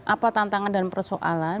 apa tantangan dan persoalan